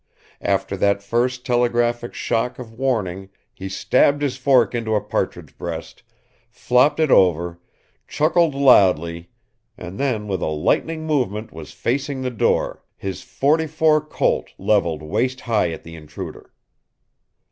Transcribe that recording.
After that first telegraphic shock of warning he stabbed his fork into a partridge breast, flopped it over, chuckled loudly and then with a lightning movement was facing the door, his forty four Colt leveled waist high at the intruder.